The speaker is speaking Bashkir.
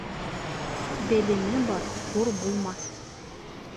Белеме бар хур булмаҫ.